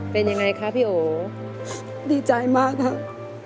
เป็นยังไงคะพี่โอดีใจมากครับ